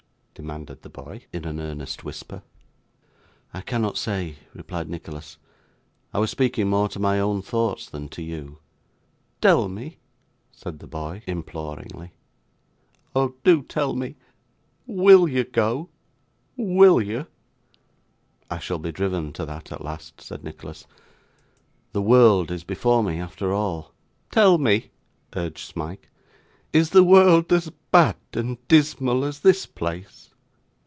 demanded the boy, in an earnest whisper. 'I cannot say,' replied Nicholas. 'I was speaking more to my own thoughts, than to you.' 'Tell me,' said the boy imploringly, 'oh do tell me, WILL you go WILL you?' 'I shall be driven to that at last!' said Nicholas. 'The world is before me, after all.' 'Tell me,' urged Smike, 'is the world as bad and dismal as this place?